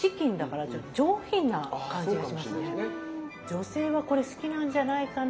女性はこれ好きなんじゃないかなと。